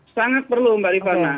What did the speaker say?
sangat perlu mbak rifana